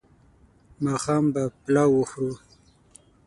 ماښام به پلاو وخورو